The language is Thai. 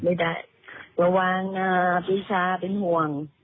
ไม่ได้ระวังปีชาเป็นห่วง